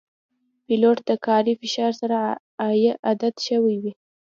پیلوټ د کاري فشار سره عادت شوی وي.